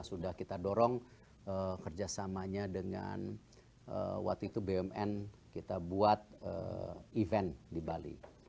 sudah kita dorong kerjasamanya dengan waktu itu bumn kita buat event di bali